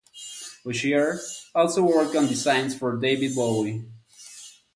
Boshier also worked on designs for David Bowie.